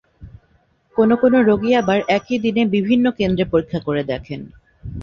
কোনো কোনো রোগী আবার একই দিনে বিভিন্ন কেন্দ্রে পরীক্ষা করে দেখেন।